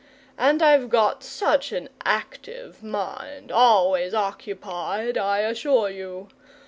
And I've got such an active mind always occupied, I assure you!